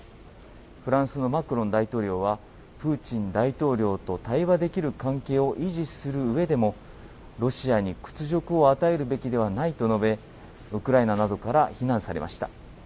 フランスのマクロン大統領は、プーチン大統領と対話できる関係を維持するうえでも、ロシアに屈辱を与えるべきではないと述べ、ウクライナなどから非難されました。